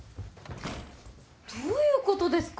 どういうことですか？